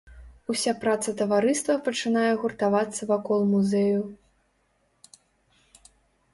Уся праца таварыства пачынае гуртавацца вакол музею.